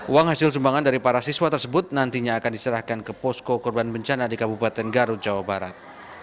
uang hasil sumbangan dari para siswa tersebut nantinya akan diserahkan ke posko korban bencana di kabupaten garut jawa barat